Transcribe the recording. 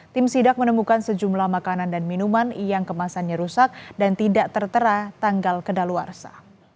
tim sidak menemukan sejumlah makanan dan minuman yang kemasannya rusak dan tidak tertera tanggal kedaluarsa